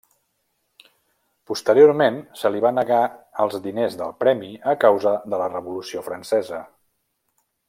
Posteriorment se li va negar els diners del premi a causa de la Revolució Francesa.